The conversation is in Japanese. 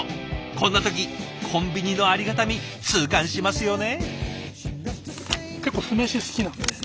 こんな時コンビニのありがたみ痛感しますよね。